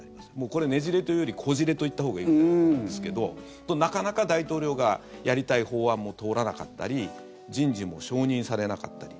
これ、ねじれというよりこじれといったほうがいいと思うんですけどなかなか大統領がやりたい法案も通らなかったり人事も承認されなかったり。